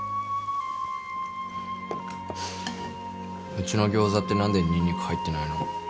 うちのギョーザって何でニンニク入ってないの？